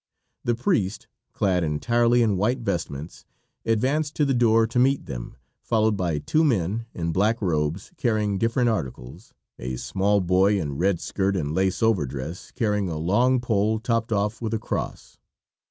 The priest, clad entirely in white vestments, advanced to the door to meet them, followed by two men in black robes carrying different articles, a small boy in red skirt and lace overdress carrying a long pole topped off with a cross.